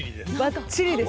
ばっちりですよ。